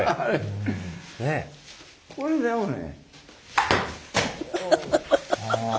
これでもね。